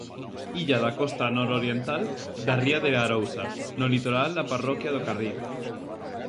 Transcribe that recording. Illa da costa nororiental da ría de Arousa, no litoral da parroquia do Carril.